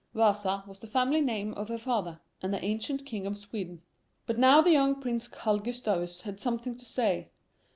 (1) Vasa was the family name of her father and the ancient king of Sweden. But now the young Prince Karl Gustavus had something to say.